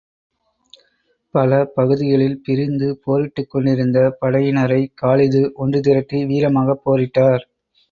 பல பகுதிகளில் பிரிந்து, போரிட்டுக் கொண்டிருந்த படையினரை காலிது ஒன்று திரட்டி வீரமாகப் போரிட்டார்.